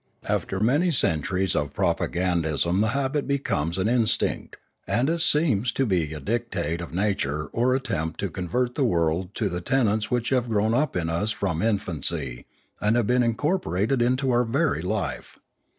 After centuries of propagandism the habit becomes an in stinct, and it seems to be a dictate of nature to attempt to convert the world to the tenets which have grown up in us from infancy and been incorporated into our very life.